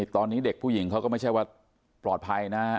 ตอนนี้เด็กผู้หญิงเขาก็ไม่ใช่ว่าปลอดภัยนะ